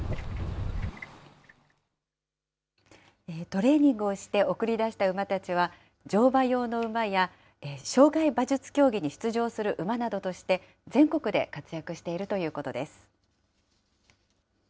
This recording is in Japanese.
トレーニングをして送り出した馬たちは、乗馬用の馬や、障害馬術競技に出場する馬などとして、全国で活躍しているということです。